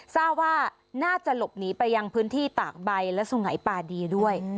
ทราบว่าน่าจะหลบหนีไปยังพื้นที่ตากใบและสุงัยปาดีด้วย